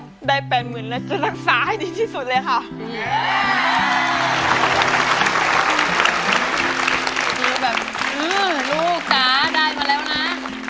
คุณดาวน่ะคือแบบลูกจ๋าได้มาแล้วนะ